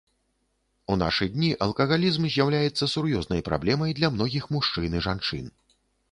У нашы дні алкагалізм з'яўляецца сур'ёзнай праблемай для многіх мужчын і жанчын.